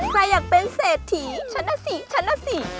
ใครอยากเป็นเศรษฐีชนะสี่ชนะสี่